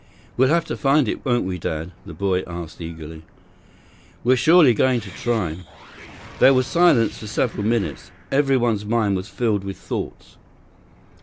"We'll have to find it, won't we, Dad?" the boy asked eagerly. 49 "We're surely going to try." There was silence for several minutes. Everyone's mind was filled with thoughts.